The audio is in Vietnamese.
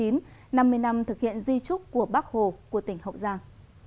năm mươi năm thực hiện di trúc của bác hồ của tỉnh hậu giang